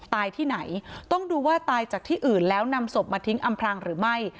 ที่ไหนต้องดูว่าตายจากที่อื่นแล้วนำศพมาทิ้งอำพรางหรือไม่